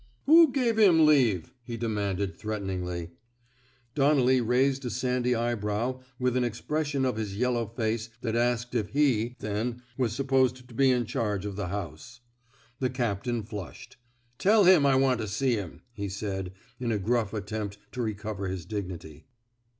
Who gave him leave t " he demanded, threateningly. 257 THE SMOKE EATERS Donnelly raised a sandy eyebrow with an expression of his yellow face that asked if he, then, was supposed to be in charge of the house. The captain flushed. Tell him I want to see him," he said, in a graff attempt to recover his dignity.